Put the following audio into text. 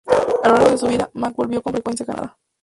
A lo largo de su vida, Mack volvió con frecuencia a Canadá.